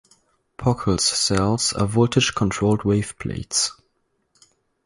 Pockels cells are voltage-controlled wave plates.